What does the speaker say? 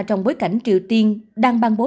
trong bối cảnh triều tiên đang ban bố